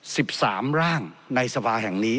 สิบสามร่างในสภาแห่งนี้